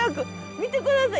見てください。